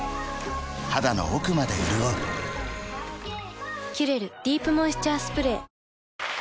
肌の奥まで潤う「キュレルディープモイスチャースプレー」